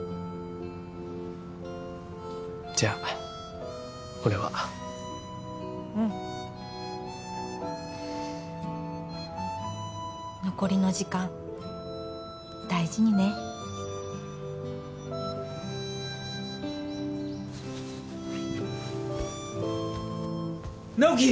じゃあ俺はうん残りの時間大事にね直木！